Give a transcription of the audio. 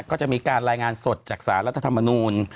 ก็จะมีการรายงานสดจากสารรัฐธรรมนูล